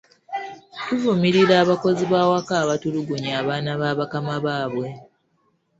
Tuvumirira abakozi b’awaka abatulugunya abaana ba bakama baabwe.